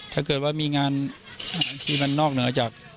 ถ้าเกิดว่ามีงานที่มันนอกเหนือจาก